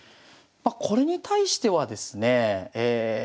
これに対してはですねえ